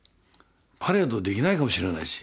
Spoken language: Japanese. パレードできないかもしれないし。